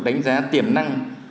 đánh giá tiềm năng